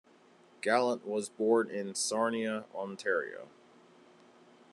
Gallant was born in Sarnia, Ontario.